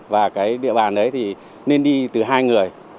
và cái địa bàn đấy thì nên đi từ hai người